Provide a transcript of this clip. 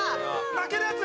泣けるやつ